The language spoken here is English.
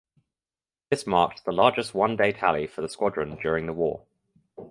This marked the largest one day tally for the squadron during the war.